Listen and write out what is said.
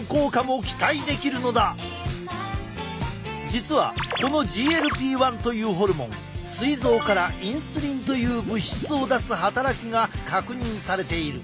実はこのＧＬＰ−１というホルモンすい臓からインスリンという物質を出す働きが確認されている。